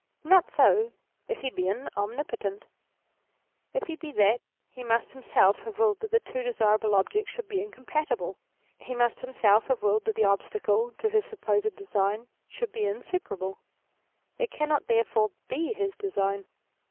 Not so if he be omnipotent. If he be that, he must himself have willed that the two desirable objects should be incom patible ; he must himself have willed that the ob stacle to his supposed design should be insuperable. It cannot therefore be his design.